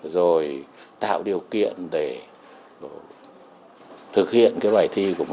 rồi tạo điều kiện để thực hiện cái bài thi của mình